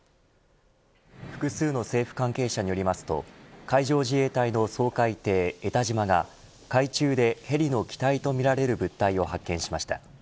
複数の政府関係者によりますと海上自衛隊の掃海艇えたじまが海中でヘリの機体とみられる物体を発見しました。